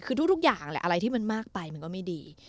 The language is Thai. คือทุกอย่างแหละอะไรที่มันมากไปมันก็ไม่ดี